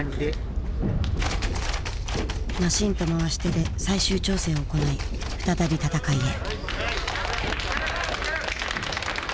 マシンと回し手で最終調整を行い再び戦いへ。